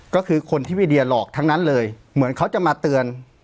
ก็คือคนที่พี่เดียหลอกทั้งนั้นเลยเหมือนเขาจะมาเตือน